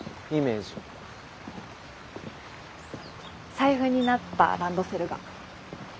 財布になったランドセルが。